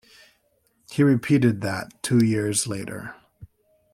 He repeated that two years later.